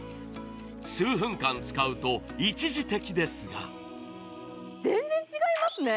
数分間使うと、一時的ですが全然違いますね。